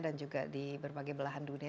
dan juga di berbagai belahan dunia